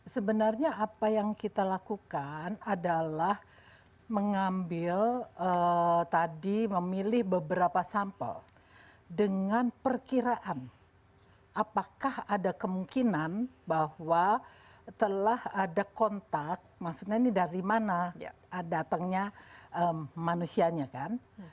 sebenarnya apa yang kita lakukan adalah mengambil tadi memilih beberapa sampel dengan perkiraan apakah ada kemungkinan bahwa telah ada kontak maksudnya ini dari mana datangnya manusianya kan